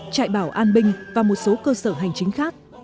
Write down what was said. trại bảo an binh và một số cơ sở hành chính khác